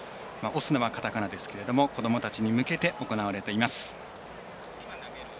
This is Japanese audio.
オスナはカタカナですけども子どもたちに向けて行われています。